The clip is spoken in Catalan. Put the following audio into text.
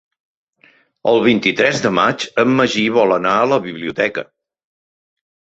El vint-i-tres de maig en Magí vol anar a la biblioteca.